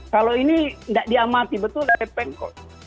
kalau ini tidak diamati betul oleh pemkot